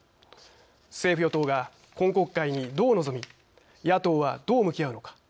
政府・与党が今国会に、どう臨み野党はどう向き合うのか。